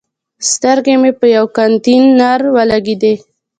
سترګې مې په یوه کانتینر ولګېدي.